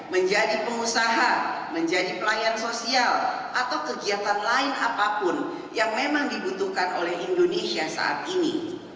menjadi pengusaha menjadi pelayan sosial atau kegiatan lain apapun yang memang dibutuhkan oleh indonesia saat ini